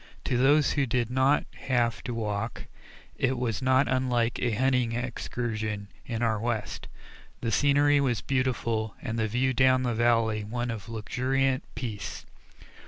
To those who did not have to walk, it was not unlike a hunting excursion in our West; the scenery was beautiful and the view down the valley one of luxuriant peace.